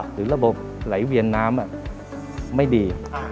หรือระบบไหลเวียนน้ำไม่ดี